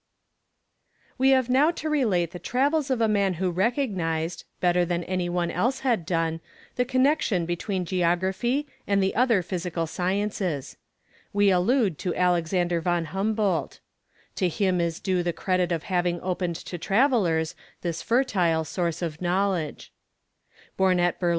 We have now to relate the travels of a man who recognized, better than any one else had done, the connexion between geography and the other physical sciences. We allude to Alexander von Humboldt. To him is due the credit of having opened to travellers this fertile source of knowledge. [Illustration: Portrait of Alex.